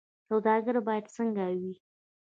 سوداګر باید څنګه وي؟